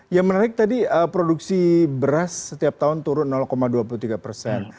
yang menarik tadi produksi beras setiap tahun turun dua puluh tiga persen